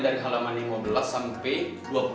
dari halaman lima belas dua puluh yuk jangan sampai tindak ya